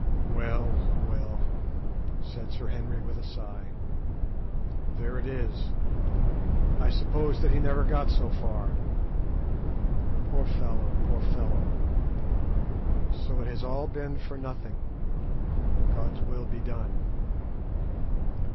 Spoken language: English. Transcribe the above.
"Well, well," said Sir Henry, with a sigh; "there it is; I suppose that he never got so far. Poor fellow, poor fellow! So it has all been for nothing. God's will be done."